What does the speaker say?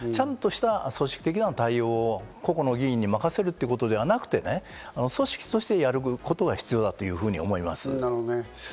ちゃんとした組織的な対応を個々の議員に任せるということではなくてね、組織としてやることが必要だというふうに思います。